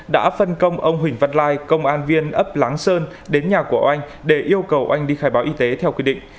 đã phân công ông huỳnh văn lai công an viên ấp láng sơn đến nhà của oanh để yêu cầu anh đi khai báo y tế theo quy định